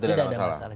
tidak ada masalah